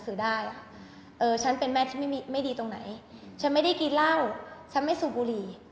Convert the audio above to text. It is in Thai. สื่อได้ค่ะเออฉันเป็นแม่ที่ไม่ดีตรงไหนฉันไม่ได้กินเหล้าฉันไม่สูบบุหรี่